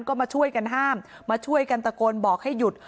ก็มาช่วยกันห้ามมาช่วยกันตะโกนบอกให้หยุด